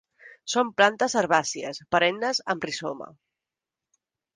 Són plantes herbàcies perennes amb rizoma.